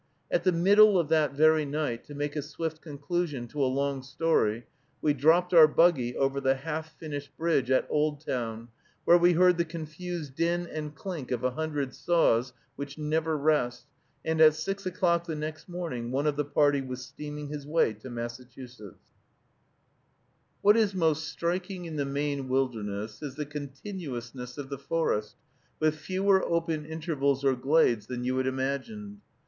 At the middle of that very night, to make a swift conclusion to a long story, we dropped our buggy over the half finished bridge at Oldtown, where we heard the confused din and clink of a hundred saws, which never rest, and at six o'clock the next morning one of the party was steaming his way to Massachusetts. [Illustration: Maine Wilderness] What is most striking in the Maine wilderness is the continuousness of the forest, with fewer open intervals or glades than you had imagined.